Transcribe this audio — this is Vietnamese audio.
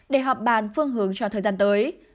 để họp bàn phương hướng cho thời gian tới